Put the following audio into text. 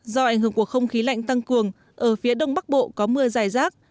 do ảnh hưởng của không khí lạnh tăng cường ở phía đông bắc bộ có mưa dài rác